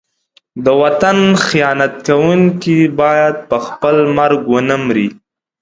د وطن خیانت کوونکی باید په خپل مرګ ونه مري.